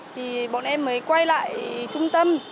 thì bọn em mới quay lại trung tâm